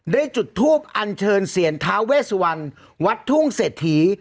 ได้จุดทูปอันเชิญเสียรท้าเวสวันวัดทุ่งเศรษฐี